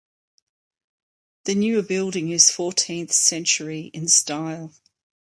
The newer building is fourteenth century in style.